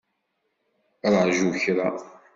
Ṛaju kra!